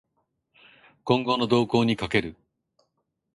今後の動向に賭ける